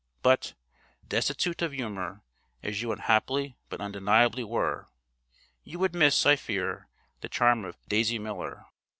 But, destitute of humour as you unhappily but undeniably were, you would miss, I fear, the charm of 'Daisy Miller.'